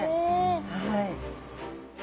はい。